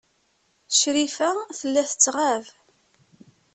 Crifa tella tettɣab.